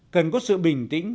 cần có sự bình tĩnh